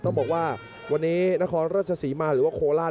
ต้องบอกว่าวันนี้น้องรัชฌาษีมาหรือว่าโคลอาร์